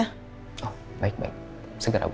oh baik baik segera bu